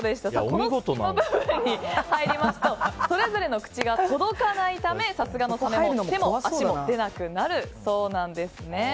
この部分に入りますとそれぞれの口が届かないためさすがのサメも手も足も出なくなるそうなんです。